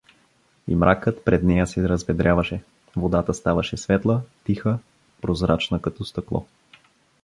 И мракът пред нея се разведряваше, водата ставаше светла, тиха, прозрачна като стъкло.